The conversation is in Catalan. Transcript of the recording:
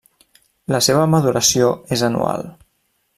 La seva maduració és anual.